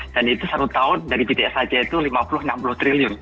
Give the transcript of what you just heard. dan itu satu tahun dari bts saja itu lima puluh enam puluh triliun